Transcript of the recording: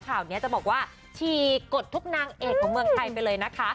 ข่าวนี้จะบอกว่าฉี่กดทุกนางเอกของเมืองไทยไปเลยนะคะ